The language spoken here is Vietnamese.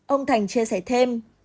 ông thành chia sẻ thêm